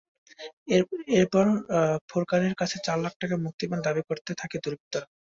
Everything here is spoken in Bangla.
এরপর ফোরকানের কাছে চার লাখ টাকা মুক্তিপণ দাবি করতে থাকে দুর্বৃত্তরা।